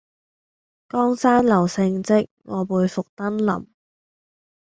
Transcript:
江山留勝跡，我輩復登臨。